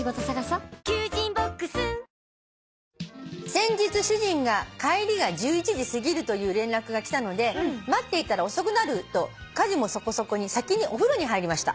「先日主人が帰りが１１時過ぎるという連絡が来たので待っていたら遅くなると家事もそこそこに先にお風呂に入りました。